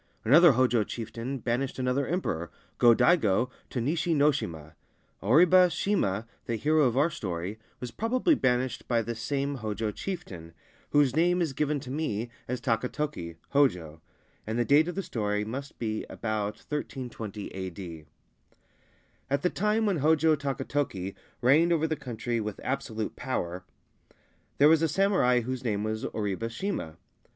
Another Hojo chieftain banished another Emperor, Go Daigo, to Nishi no shima. Oribe Shima, the hero of our story, was probably banished by this same Hojo chieftain, 101 Ancient Tales and Folklore of Japan whose name is given to me as Takatoki (Hojo), and the date of the story must be about 1320 A.D. At the time when Hojo Takatoki reigned over the country with absolute power, there was a samurai whose name was Oribe Shima.